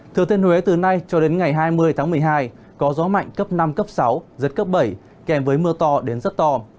thừa thiên huế từ nay cho đến ngày hai mươi tháng một mươi hai có gió mạnh cấp năm cấp sáu giật cấp bảy kèm với mưa to đến rất to